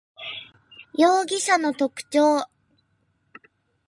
容疑者の特徴